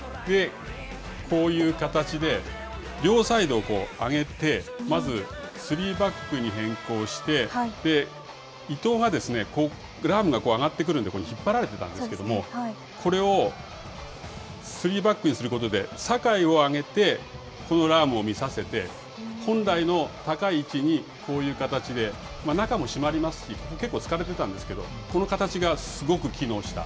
こういう形で、両サイドを上げて、まずスリーバックに変更して、伊東が、ラウムが上がってくるんで、引っ張られていたんですけれども、これをスリーバックにすることで、酒井を上げて、このラウムを見させて、本来の高い位置にこういう形で、中も締まりますし、結構突かれてたんですけど、この形がすごく機能した。